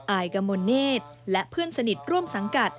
อายกมลเนธและเพื่อนสนิทร่วมสังกัด